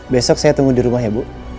besok saya tunggu di rumah ya bu